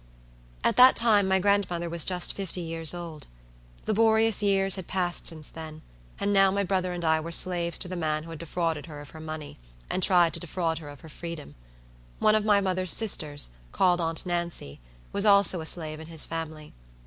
At that time, my grandmother was just fifty years old. Laborious years had passed since then; and now my brother and I were slaves to the man who had defrauded her of her money, and tried to defraud her of her freedom. One of my mother's sisters, called Aunt Nancy, was also a slave in his family.